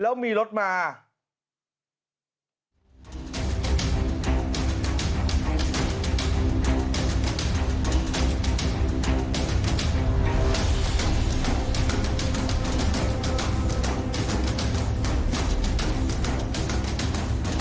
แล้วมันเข้าฝั่งคนขาดมันเป็นจังหวะเต็มเลยนะ